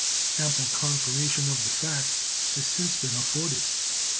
Ample confirmation of the fact has since been afforded.